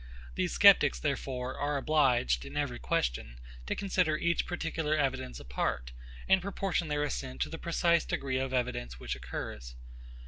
These sceptics, therefore, are obliged, in every question, to consider each particular evidence apart, and proportion their assent to the precise degree of evidence which occurs.